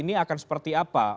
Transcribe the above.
ini akan seperti apa